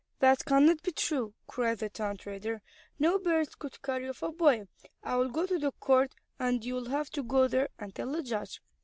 "That cannot be true," cried the town trader. "No bird could carry off a boy. I will go to the court, and you will have to go there, and tell the judge."